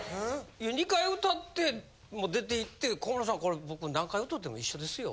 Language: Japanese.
２回歌ってもう出て行って「小室さんこれ僕何回歌ても一緒ですよ」